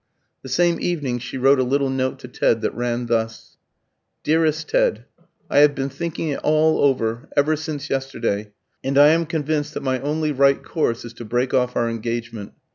The same evening she wrote a little note to Ted that ran thus: "DEAREST TED, I have been thinking it all over, ever since yesterday, and I am convinced that my only right course is to break off our engagement.